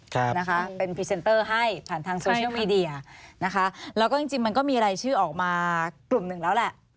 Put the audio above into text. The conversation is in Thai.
ครับนะคะเป็นให้ผ่านทางนะคะแล้วก็จริงจริงมันก็มีรายชื่อออกมากลุ่มหนึ่งแล้วแหละ